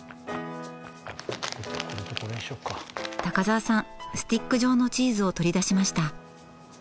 高沢さんスティック状のチーズを取り出しました。